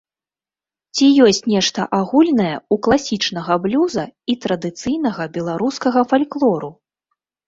Ці ёсць нешта агульнае ў класічнага блюза і традыцыйнага беларускага фальклору?